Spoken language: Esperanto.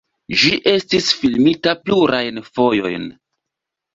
Ĝi estis filmita plurajn fojojn.